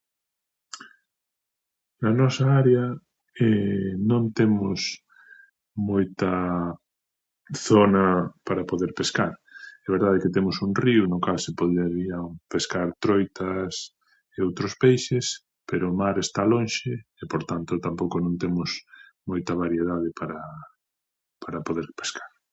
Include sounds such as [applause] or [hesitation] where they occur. Na nosa área [hesitation] non temos moita zona para poder pescar, é verdade que temos un río no cal se poderían pescar troitas e outros peixes, pero o mar está lonxe e, por tanto, tampouco non temos moita variedade para para poder pescar.